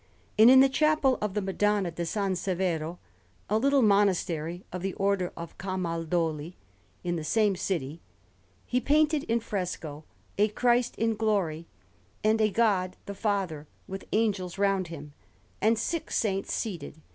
And in the Chapel of the Madonna in S. Severo, a little monastery of the Order of Camaldoli, in the same city, he painted in fresco a Christ in Glory, and a God the Father with angels round Him, and six saints seated, S.